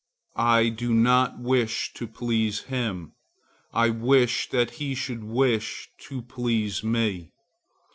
I do not wish to please him; I wish that he should wish to please me.